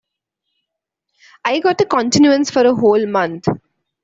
I got a continuance for a whole month.